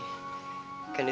aku juga nyalain dia